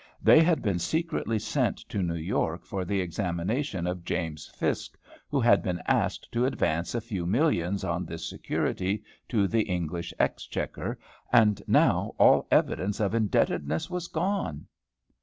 They had been secretly sent to New York for the examination of James Fiske, who had been asked to advance a few millions on this security to the English Exchequer, and now all evidence of indebtedness was gone!